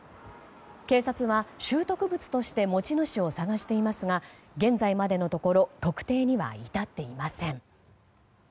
警察は拾得物として持ち主を捜していますが現在までのところ特定には至っていません。